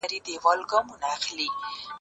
د طبي تجهیزاتو کمښت ولي سته؟